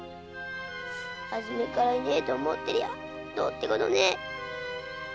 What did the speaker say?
初めからいねえと思ってりゃどうってことねえ！